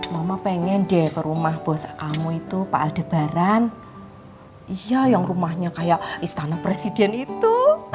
mama pengen deh ke rumah bos kamu itu pas debaran iya yang rumahnya kayak istana presiden itu